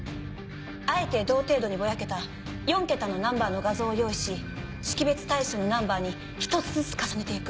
あえて同程度にぼやけた４桁のナンバーの画像を用意し識別対象のナンバーに１つずつ重ねて行く。